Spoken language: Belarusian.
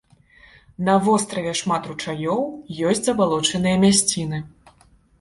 На востраве шмат ручаёў, ёсць забалочаныя мясціны.